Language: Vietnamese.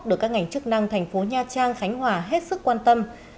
được các ngành chức năng thành phố nha trang khánh hòa hết sức quan tâm